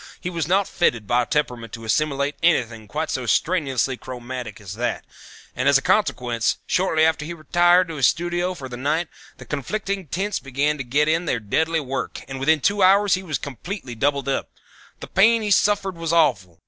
He was not fitted by temperament to assimilate anything quite so strenuously chromatic as that, and as a consequence shortly after he had retired to his studio for the night the conflicting tints began to get in their deadly work and within two hours he was completely doubled up. The pain he suffered was awful.